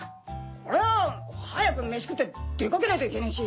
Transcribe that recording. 俺は早く飯食って出かけねぇといけねぇし。